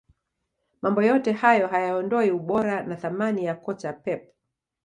mambo yote hayo hayaondoi ubora na thamani ya kocha pep